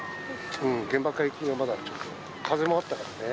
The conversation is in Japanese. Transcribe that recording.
現場海域はまだ、風もあったからね。